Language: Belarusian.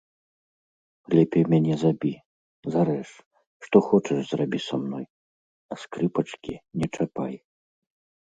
Лепей мяне забі, зарэж, што хочаш зрабі са мной, а скрыпачкі не чапай!